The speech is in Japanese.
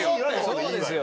そうですよ。